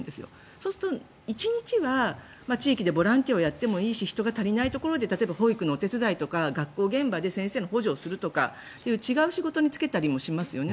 そうすると１日は地域でボランティアをやってもいいし人が足りないところで例えば保育のお手伝いで学校現場で先生の補助をするとか違う仕事に就けたりもしますよね。